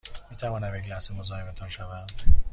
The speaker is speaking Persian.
می توانم یک لحظه مزاحمتان شوم؟